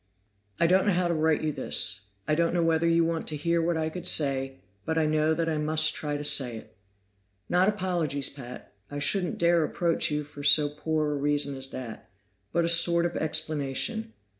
"I don't know how to write you this. I don't know whether you want to hear what I could say, but I know that I must try to say it. Not apologies, Pat I shouldn't dare approach you for so poor a reason as that but a sort of explanation.